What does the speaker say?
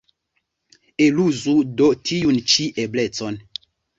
Eluzu do tiun ĉi eblecon.